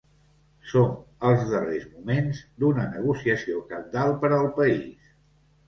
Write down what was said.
Som als darrers moments d’una negociació cabdal per al país.